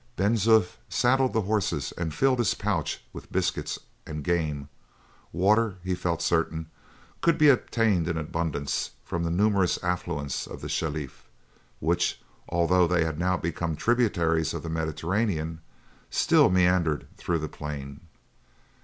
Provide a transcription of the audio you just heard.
Ben Zoof saddled the horses and filled his pouch with biscuits and game; water, he felt certain, could be obtained in abundance from the numerous affluents of the Shelif, which, although they had now become tributaries of the Mediterranean, still meandered through the plain.